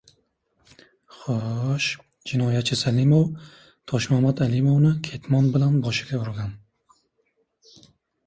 — Xo‘-o‘sh... Jinoyatchi Salimov Toshmamat Alimovni ketmon bilan boshiga urgan.